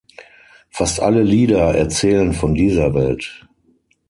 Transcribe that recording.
Fast alle Lieder erzählen von dieser Welt.